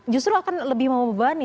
justru akan lebih membebani